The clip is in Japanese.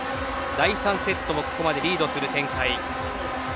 第３セットもここまでリードする展開。